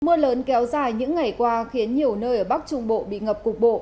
mưa lớn kéo dài những ngày qua khiến nhiều nơi ở bắc trung bộ bị ngập cục bộ